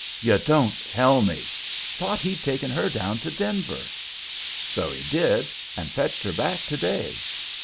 "You don't tell me! Thought he'd taken her down to Denver." "So he did, and fetched her back to day.